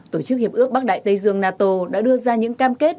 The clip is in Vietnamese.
tổ chức hiệp ước bắc đại tây dương nato đã đưa ra những cam kết